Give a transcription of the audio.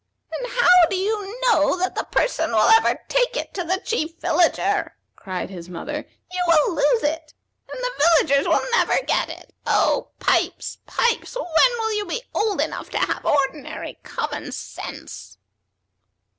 "And how do you know that the person will ever take it to the Chief Villager?" cried his mother. "You will lose it, and the villagers will never get it. Oh, Pipes! Pipes! when will you be old enough to have ordinary common sense?"